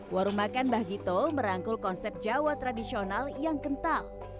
warung makan mbah gito merangkul konsep jawa tradisional yang kental